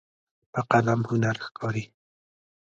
په قلم هنر ښکاري.